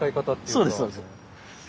そうですそうです。